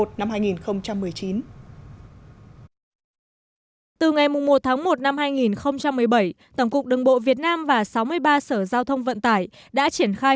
từ ngày một tháng một năm hai nghìn một mươi bảy tổng cục đường bộ việt nam và sáu mươi ba sở giao thông vận tải đã triển khai